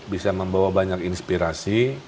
bisa membawa banyak inspirasi